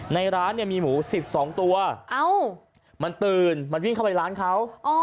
ในร้านเนี่ยมีหมู๑๒ตัวมันตื่นมันวิ่งเข้าไปร้านเขา